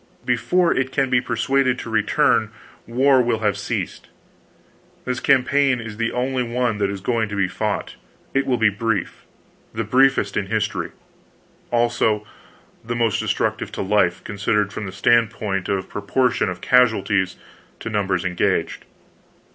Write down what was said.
Before it can be persuaded to return, war will have ceased. This campaign is the only one that is going to be fought. It will be brief the briefest in history. Also the most destructive to life, considered from the standpoint of proportion of casualties to numbers engaged.